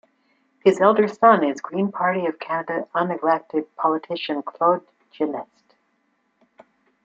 His elder son is Green Party of Canada unelected politician Claude Genest.